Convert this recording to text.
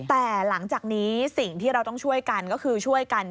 แต่หลังจากนี้สิ่งที่เราต้องช่วยกันก็คือช่วยกัน